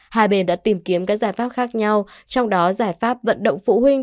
hai bên đã tìm kiếm các giải pháp khác nhau trong đó giải pháp vận động phụ huynh